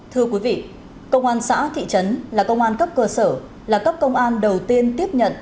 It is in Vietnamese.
thưa quý vị công an xã thị trấn là công an cấp cơ sở là cấp công an đầu tiên tiếp nhận